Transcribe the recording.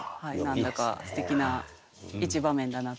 何だかすてきな一場面だなと思って。